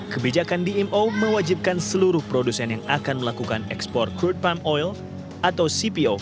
kebijakan dmo mewajibkan seluruh produsen yang akan melakukan ekspor crude palm oil atau cpo